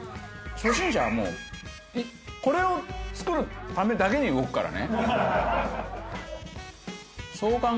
初心者はもうこれを作るためだけに動くからね。